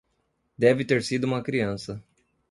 Deve ter sido uma criança.